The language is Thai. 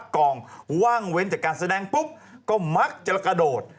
จากการแสดงปุ๊บก็มักจะละกระโดด